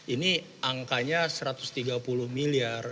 ini angkanya satu ratus tiga puluh miliar